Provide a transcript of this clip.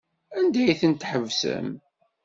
Anda ay tent-tḥebsem?